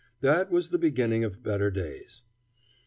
That was the beginning of better days.